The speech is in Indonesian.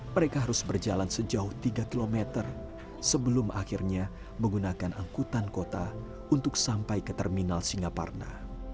mereka harus berjalan sejauh tiga km sebelum akhirnya menggunakan angkutan kota untuk sampai ke terminal singaparna